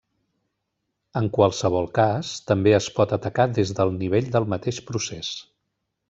En qualsevol cas, també es pot atacar des del nivell del mateix procés.